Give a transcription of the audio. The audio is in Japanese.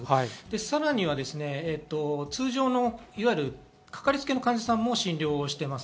さらに、通常のかかりつけ医の患者さんも診療しています。